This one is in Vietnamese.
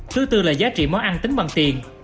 thứ tư là giá trị món ăn tính bằng tiền